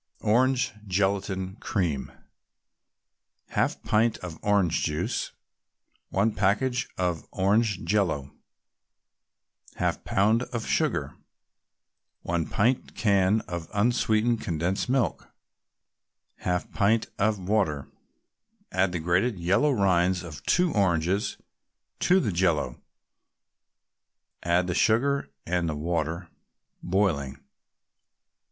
ORANGE GELATIN CREAM 1/2 pint of orange juice 1 package of orange Jello 1/2 pound of sugar 1 pint can of unsweetened condensed milk 1/2 pint of water Add the grated yellow rind of two oranges to the Jello; add the sugar and the water, boiling.